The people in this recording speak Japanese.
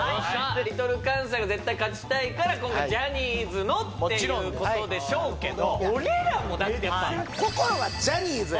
Ｌｉｌかんさいが絶対勝ちたいから今回ジャニーズのっていうことでしょうけど